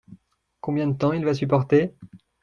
Combien de temps il va supporter ?